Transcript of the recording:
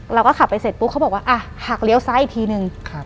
เราก็ขับไปเสร็จปุ๊บเขาบอกว่าอ่ะหักเลี้ยวซ้ายอีกทีนึง